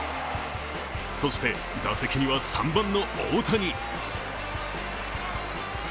そして打席には３番の大谷。